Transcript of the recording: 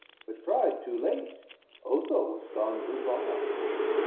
But cried too late, Otho was gone too far.